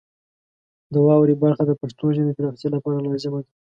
د واورئ برخه د پښتو ژبې د پراختیا لپاره لازمه ده.